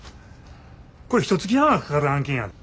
これひとつき半はかかる案件やで。